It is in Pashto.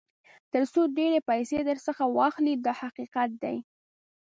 تر څو ډېرې پیسې درڅخه واخلي دا حقیقت دی.